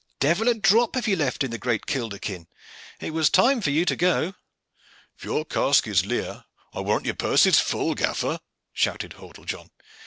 Devil a drop have you left in the great kilderkin. It was time for you to go." "If your cask is leer, I warrant your purse is full, gaffer," shouted Hordle John.